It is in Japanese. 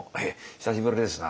久しぶりですな」。